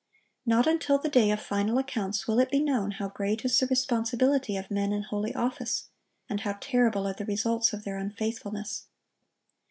Not until the day of final accounts will it be known how great is the responsibility of men in holy office, and how terrible are the results of their unfaithfulness.